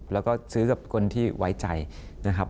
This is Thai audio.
แล้วก็ซื้อกับคนที่ไว้ใจนะครับ